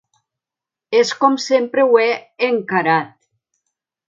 És com sempre ho he encarat.